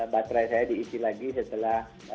baterai saya diisi lagi setelah